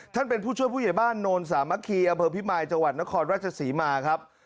ท่านเป็นผู้ช่วยผู้ใหญ่บ้านโนนสามัคคีอำเภอพิมายจังหวัดนครราชศรีมาครับ